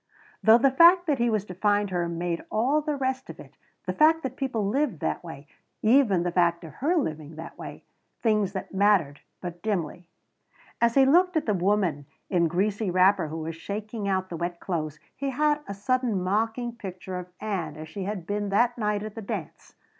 Though the fact that he was to find her made all the rest of it the fact that people lived that way even the fact of her living that way things that mattered but dimly. As he looked at the woman in greasy wrapper who was shaking out the wet clothes he had a sudden mocking picture of Ann as she had been that night at the dance.